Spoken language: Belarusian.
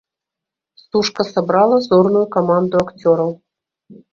Стужка сабрала зорную каманду акцёраў.